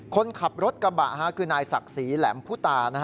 คนขับรถกระบะคือนายศักดิ์ศรีแหลมพุตา